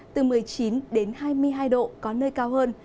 từ một mươi chín đến hai mươi hai độ có nơi cao hơn